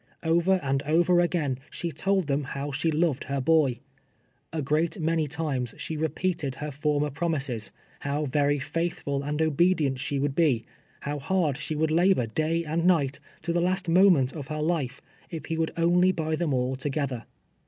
Over and over again she told them how she loved her boy. A great many times she repeated her former promises — how very faithful and obedient she would l)e ; how hard she w^ould labor day and night, to the last moment of her lite, if ho would only buy them all together.